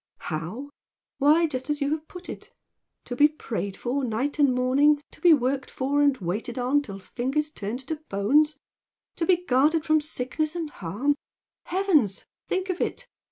"How? Why, just as you have put it, to be prayed for night and morning, to be worked for and waited on till fingers turned to bones, to be guarded from sickness and harm, heavens! think of it!